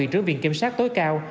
trường kiểm soát tối cao